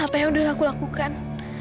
apa yang udah aku lakukan